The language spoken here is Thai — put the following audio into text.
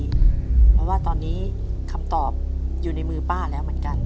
เพราะว่าตอนนี้คำตอบอยู่ในมือป้าแล้วเหมือนกัน